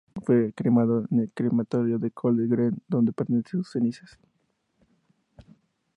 Fue cremado en el Crematorio de Golders Green donde permanecen sus cenizas.